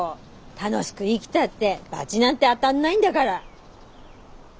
楽しく生きたってバチなんて当たんないんだから。